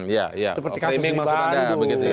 ya ya framing masuk ke bandung